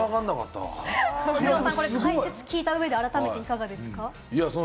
長谷川さん、解説、聞いた上で改めていかがですか？